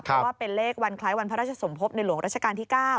เพราะว่าเป็นเลขวันคล้ายวันพระราชสมภพในหลวงราชการที่๙